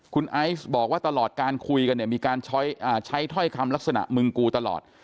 คุณไอซ์บอกว่าตลอดการคุยกันเนี่ยมีการใช้ถ้อยคำลักษณะมึงกูตลอด